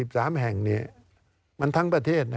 การเลือกตั้งครั้งนี้แน่